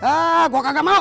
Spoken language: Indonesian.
heee gua kagak mau